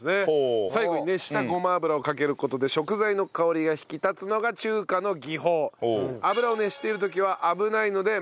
最後に熱したごま油をかける事で食材の香りが引き立つのが中華の技法。